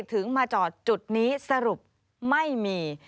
ถึงมาจอดจุดนี้สรุปไม่มี